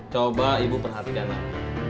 coba ibu perhatikan lah